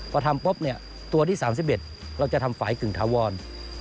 พอทำปุ๊บตัวที่๓๑เราจะทำฝ่ายกึ่งทวน